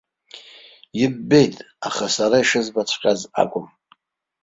Иббеит, аха сара ишызбаҵәҟьаз акәым.